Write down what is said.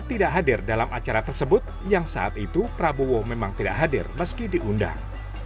tidak hadir dalam acara tersebut yang saat itu prabowo memang tidak hadir meski diundang